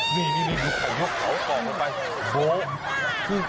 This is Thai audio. มีไข่ยกเขาออกไป